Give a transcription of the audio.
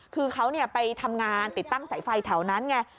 คือเขาไปทำงานติดตั้งสายไฟแถวนั้นไง